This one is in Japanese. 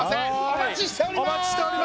お待ちしております！